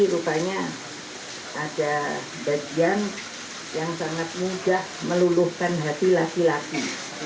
rupanya ada bagian yang sangat mudah meluluhkan hati laki laki